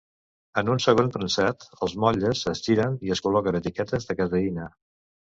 En un segon premsat, els motlles es giren i es col·loquen etiquetes de caseïna.